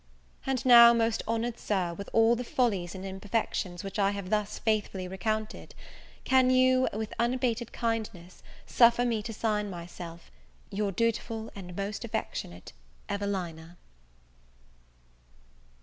And now, most honoured Sir, with all the follies and imperfections which I have thus faithfully recounted, can you, and with unabated kindness, suffer me to sign myself Your dutiful and most affectionate EVELINA?